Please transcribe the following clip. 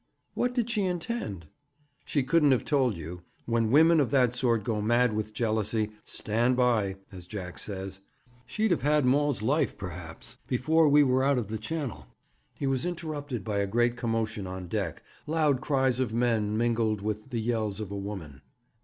'What did she intend?' 'She couldn't have told you. When women of that sort go mad with jealousy, "stand by," as Jack says. She'd have had Maul's life, perhaps, before we were out of the Channel.' He was interrupted by a great commotion on deck loud cries of men, mingled with the yells of a woman.